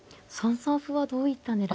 ３三歩はどういった狙い。